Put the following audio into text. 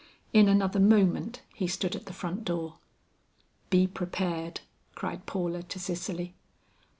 In another moment he stood at the front door. "Be prepared," cried Paula to Cicely.